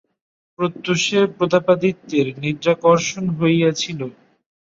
প্রত্যুষে প্রতাপাদিত্যের নিদ্রাকর্ষণ হইয়াছিল।